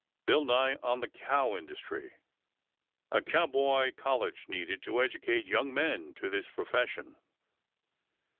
BILL NYE ON THE COW INDUSTRY. A COWBOY COLLEGE NEEDED TO EDUCATE YOUNG MEN TO THIS PROFESSION.